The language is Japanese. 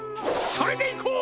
それでいこう！